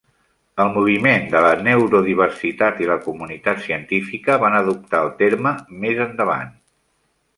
El moviment de la neurodiversitat i la comunitat científica van adoptar el terme més endavant.